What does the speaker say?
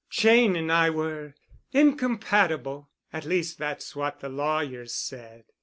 Cheyne and I were incompatible—at least that's what the lawyers said.